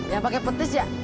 yang pakai petis ya